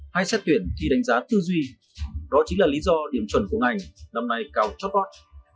hay xét tuyển thì đánh giá tư duy đó chính là lý do điểm chuẩn của ngành năm nay cao chót vót